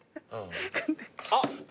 あっ。